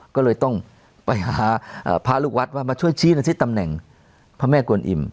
ก็เลยต้องไปหาพระลูกวัดมาช่วยชี้นักศิษย์ตำแหน่งพระแม่กวนอิม